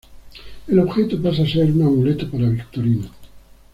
El objeto pasa a ser un amuleto para Victorino.